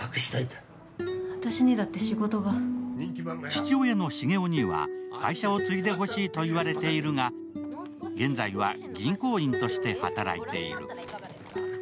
父親の繁雄には、会社を継いでほしいと言われているが、現在は銀行員として働いている。